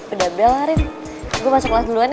udah belarin gue masuk kelas duluan nih